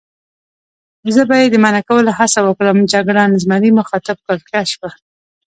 زه به یې د منع کولو هڅه وکړم، جګړن زمري مخاطب کړ: ښه شپه.